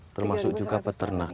termasuk juga peternak